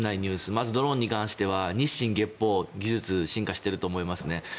まずドローンに関しては日進月歩技術が進歩していると思いますね。